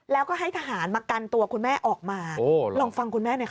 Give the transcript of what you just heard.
แล้วก็ให้ทหารมากันตัวคุณแม่ออกมาลองฟังคุณแม่หน่อยค่ะ